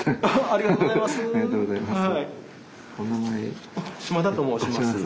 ありがとうございます。